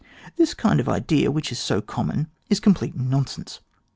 This kind of idea, which is so common, is complete nonsense.